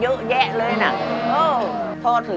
รายการต่อไปนี้เป็นรายการทั่วไปสามารถรับชมได้ทุกวัย